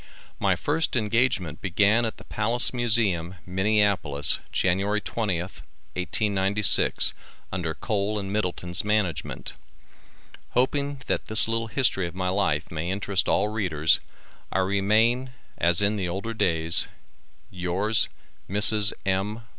My first engagement began at the Palace Museum, Minneapolis, January 20th, 1896, under Kohl and Middleton's management. Hoping that this little history of my life may interest all readers, I remain as in the older days, Yours, Mrs. M.